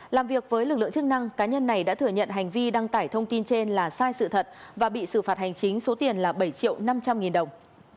làm việc với lực lượng chức năng cá nhân này đã thừa nhận hành vi đăng tải thông tin trên là sai sự thật và bị xử phạt hành chính số tiền là bảy triệu năm trăm linh nghìn đồng